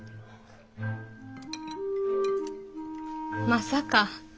まさか。